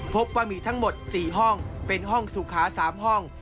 พบว่ามีทั้งหมด๔ห้องเป็นห้องสุขา๓ห้อง